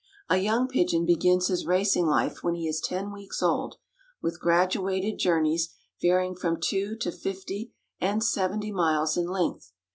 A young pigeon begins his racing life when he is ten weeks old, with graduated journeys, varying from two to fifty and seventy miles in length.